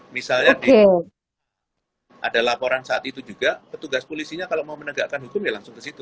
misalnya ada laporan saat itu juga petugas polisinya kalau mau menegakkan hukum ya langsung ke situ